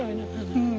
うん。